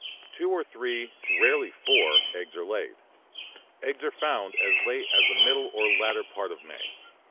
Two or three, rarely four, eggs are laid. Eggs are found as late as the middle or latter part of May.